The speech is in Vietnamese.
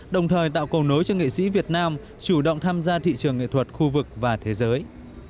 đồng thời tạo cầu nối cho nghệ sĩ việt nam chủ động tham gia thị trường nghệ thuật khu vực và thế giới